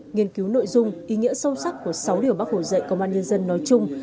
nghiên cứu nội dung ý nghĩa sâu sắc của sáu điều bác hồ dạy công an nhân dân nói chung